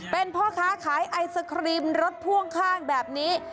เป็นพ่อค้าขายไอศครีมรถพ่วงข้างแบบนี้